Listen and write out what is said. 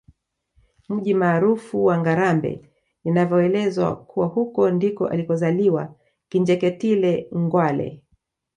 Mji maarufu wa Ngarambe inavyoelezwa kuwa huko ndiko alikozaliwa Kinjeketile Ngwale